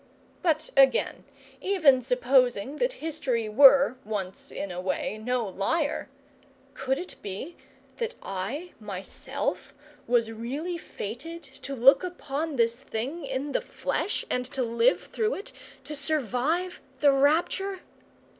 But again, even supposing that history were, once in a way, no liar, could it be that I myself was really fated to look upon this thing in the flesh and to live through it, to survive the rapture?